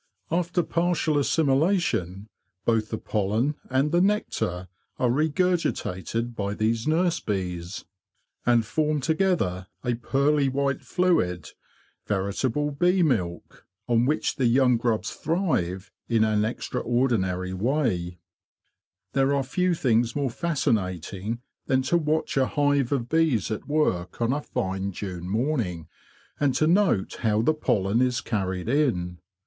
After partial assimilation, both the pollen and the nectar are regurgitated by these nurse bees, 152 A RARITY IN HIVE LIFE? HONEY COMB BUILT UPWARD POLLEN AND THE BEE 153 and form together a pearly white fluid—veritable bee milk—on which the young grubs thrive in an extra ordinary way. There are few things more fascinating than to watch a hive of bees at work on a fine June morning, and to note how the pollen is carried in.